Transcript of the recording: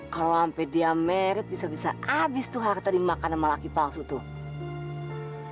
kalau sampai dia meret bisa bisa habis tuh harta dimakan sama laki palsu tuh